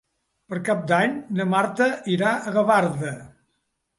Per Cap d'Any na Marta irà a Gavarda.